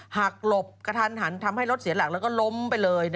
หลบกระทันหันทำให้รถเสียหลักแล้วก็ล้มไปเลย